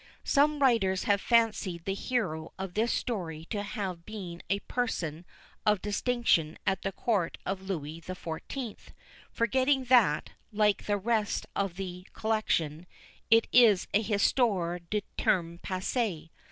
Some writers have fancied the hero of this story to have been a person of distinction at the Court of Louis XIV., forgetting that, like the rest in the collection, it is a "histoire du tems passé."